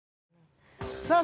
さあ